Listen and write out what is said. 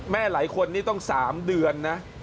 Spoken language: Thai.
หลายคนนี่ต้อง๓เดือนนะ